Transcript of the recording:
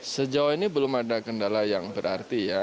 sejauh ini belum ada kendala yang berarti ya